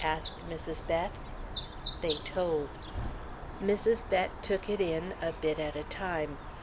asked Mrs. Bett. They told. Mrs. Bett took it in, a bit at a time.